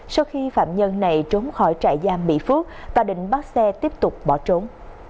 sau khi phạm nhân này trốn khỏi trại giam mỹ phước và định bắt xe tiếp tục bỏ trốn